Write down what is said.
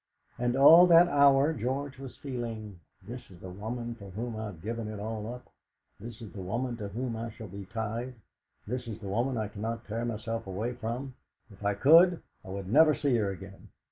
And all that hour George was feeling: '.his is the woman for whom I've given it all up. This is the woman to whom I shall be tied. This is the woman I cannot tear myself away from. If I could, I would never see her again.